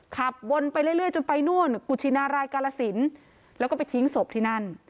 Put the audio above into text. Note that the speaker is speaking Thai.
ขับวนไปเรื่อยจนไปนู่นกุชินารายกาลสินแล้วก็ไปทิ้งศพที่นั่น